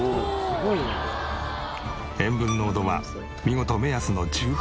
塩分濃度は見事目安の１８パーセント。